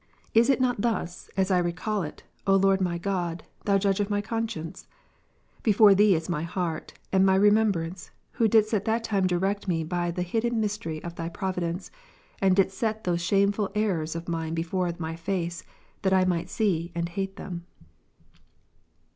Is it not thus, as I recall it, O Lord my God, Thou Judge of my conscience ? Before Thee is my heart and my remem brance. Who didst at that time direct me by the hidden my Ps. 50, stery of Thy providence, and didst set those shameful errors of mine before my face, that I might see and hate them.